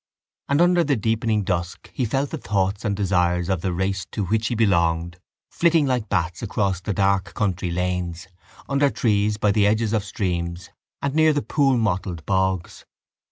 And under the deepened dusk he felt the thoughts and desires of the race to which he belonged flitting like bats across the dark country lanes, under trees by the edges of streams and near the pool mottled bogs.